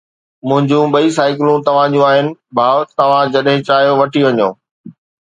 منهنجون ٻئي سائيڪلون توهان جون آهن ڀاءُ، توهان جڏهن چاهيو وٺي وڃو